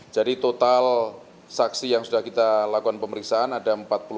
jadi total saksi yang sudah kita lakukan pemeriksaan ada empat puluh tiga